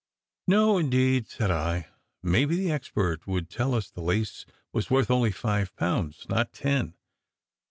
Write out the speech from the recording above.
"No, indeed," said I. "Maybe the expert would tell us the lace was worth only five pounds, not ten.